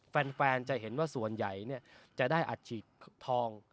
แฟนจะเห็นว่าส่วนใหญ่จะได้อัดฉีดทอง